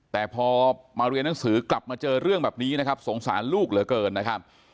แต่พอมาเรียนหนังสือกลับมาเจอเรื่องแบบนี้นะครับสงสารลูกเหลือเกินนะครับ